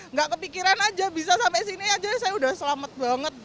nggak kepikiran aja bisa sampai sini aja saya udah selamat banget gitu kebakaran di gedung